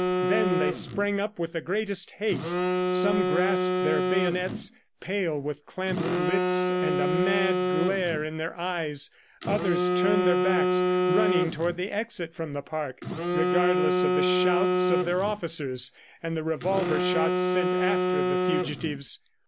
Then they sprang up with the greatest haste. Some grasped their bayonets, pale, with clamped lips and a mad glare in their eyes; others turned their backs, running toward the exit from the park, regardless of the shouts of their officers and the revolver shots sent after the fugitives.